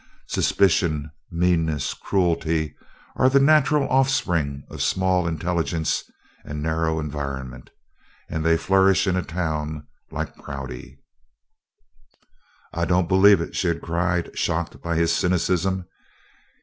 Suspicion, meanness, cruelty, are the natural offspring of small intelligences and narrow environment and they flourish in a town like Prouty." "I don't believe it!" she had cried, shocked by his cynicism.